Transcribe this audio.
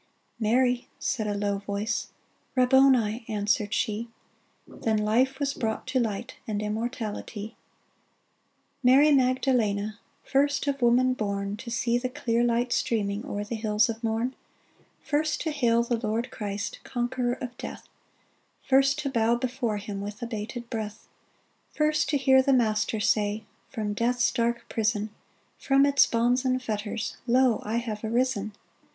*' Mary !" said a low voice ;" Rabboni !" answered she. Then Ufe was brought to light And immortality ! Mary Magdalene, First of woman born To see the clear Ught streaming O'er the hills of morn ; First to hail the Lord Christ, Conqueror of Death, First to bow before Him With abated breath ; First to hear the Master Say—" From Death's dark prison, From its bonds and fetters, Lo ! I have arisen